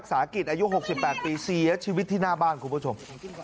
เสียชีวิตที่หน้าบ้านคุณผู้ชม